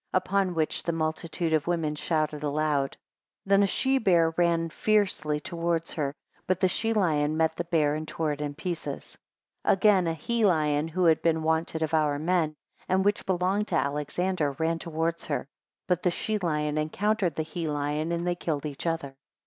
Upon which the multitude of women shouted aloud. 3 Then a she bear ran fiercely towards her, but the she lion met the bear, and tore it in pieces. 4 Again a he lion, who had been wont to devour men, and which belonged to Alexander, ran towards her; but the she lion encountered the he lion, and they killed each other.